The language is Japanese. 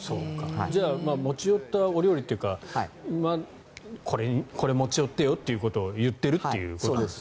じゃあ持ち寄ったお料理というかこれを持ち寄ってよっていうことを言っているってことですか。